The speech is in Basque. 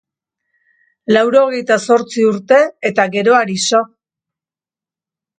Laurogehita zortzi urte eta geroari so.